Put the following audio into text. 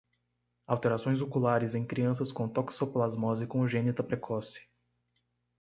Alterações oculares em crianças com toxoplasmose congênita precoce